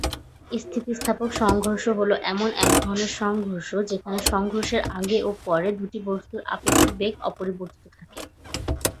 স্থিতিস্থাপক সংঘর্ষ হল এমন এক ধরনের সংঘর্ষ যেখানে সংঘর্ষের আগে ও পরে দুটি বস্তুর আপেক্ষিক বেগ অপরিবর্তিত থাকে।